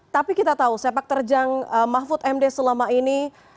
tapi kita tahu sepak terjang mahfud md selama ini